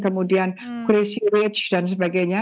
kemudian crazy rich dan sebagainya